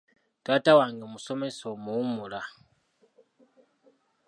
Taata wange musomesa omuwummula.